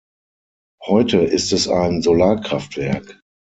Heute ist es ein Solarkraftwerk.